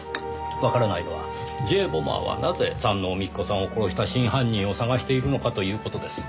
わからないのはＪ・ボマーはなぜ山王美紀子さんを殺した真犯人を捜しているのかという事です。